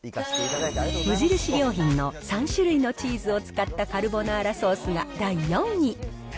無印良品の３種類のチーズを使ったカルボナーラソースが第４位。